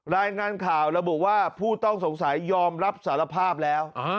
รายงานข่าวระบุว่าผู้ต้องสงสัยยอมรับสารภาพแล้ว